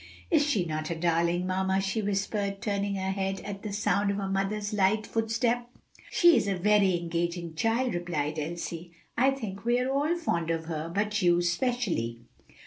"Is she not a darling, mamma?" she whispered, turning her head at the sound of her mother's light footstep. "She is a very engaging child," replied Elsie. "I think we are all fond of her, but you especially."